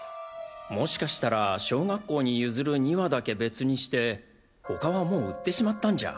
もしかしたら小学校に譲る２羽だけ別にして他はもう売ってしまったんじゃ。